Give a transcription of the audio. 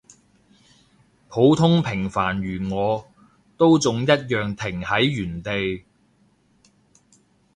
普通平凡如我，都仲一樣停喺原地